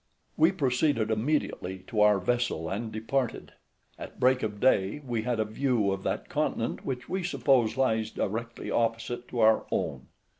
We proceeded immediately to our vessel and departed. At break of day we had a view of that continent which we suppose lies directly opposite to our own.